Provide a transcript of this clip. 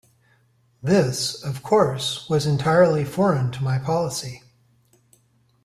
This, of course, was entirely foreign to my policy.